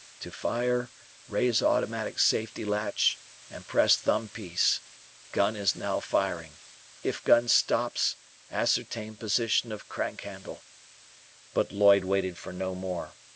To fire, raise automatic safety latch, and press thumb piece. Gun is now firing. If gun stops, ascertain position of crank handle " But Lloyd waited for no more.